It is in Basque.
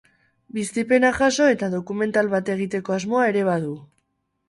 Bizipena jaso eta dokumental bat egiteko asmoa ere badu.